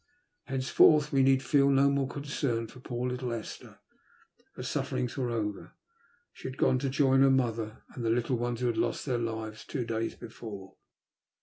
Henceforth we need feel no more concern for poor little Esther — ^her sufferings were over. She had gone to join her mother and the little ones who had lost their lives two days before.